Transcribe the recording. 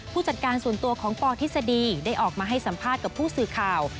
ผู้จัดการส่วนตัวของปทฤษฎีได้ออกมาให้สัมภาษณ์กับผู้สื่อข่าว